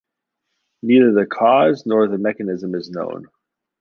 Neither the cause nor the mechanism is known.